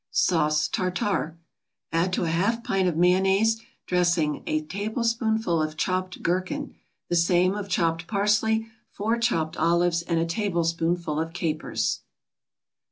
SAUCE TARTAR Add to a half pint of mayonnaise dressing a tablespoonful of chopped gherkin, the same of chopped parsley, four chopped olives and a tablespoonful of capers.